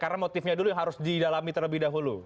karena motifnya dulu yang harus didalami terlebih dahulu